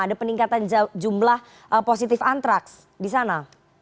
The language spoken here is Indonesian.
ada peningkatan jumlah positif antraks di sana